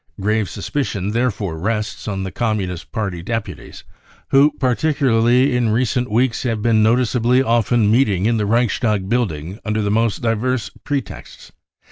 Grave suspicion therefore rests on the Com munist party deputies, who particularly in recent weeks have been noticeably often meeting in the Reichstag building under the most divers pretexts.